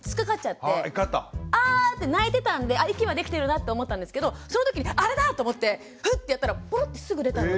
ア！って泣いてたんで息はできてるなって思ったんですけどそのときにあれだ！と思ってふっとやったらポロッてすぐ出たので。